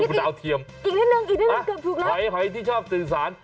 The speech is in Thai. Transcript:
โอ๊ยมันมีที่ไหนเล่า